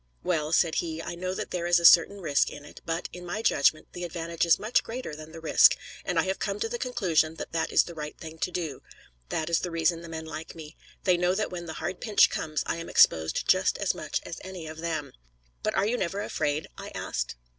"Well," said he, "I know that there is a certain risk in it; but, in my judgment, the advantage is much greater than the risk, and I have come to the conclusion that that is the right thing to do. That is the reason the men like me. They know that when the hard pinch comes I am exposed just as much as any of them." "But are you never afraid?" I asked.